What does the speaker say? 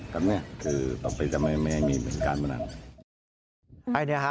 กลับไปก็ไม่มีปัญหาการณ์อีก